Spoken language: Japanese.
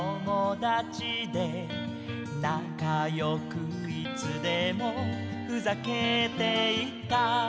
「なかよくいつでもふざけていた」